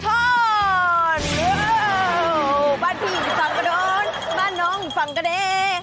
โอ้โหบ้านพี่อยู่ฝั่งกระโดนบ้านน้องอยู่ฝั่งกระเด